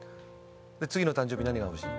「次の誕生日何が欲しい？」。